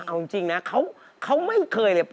เอาจริงนะเขาไม่เคยเลย